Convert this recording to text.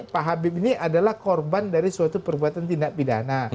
pak habib ini adalah korban dari suatu perbuatan tindak pidana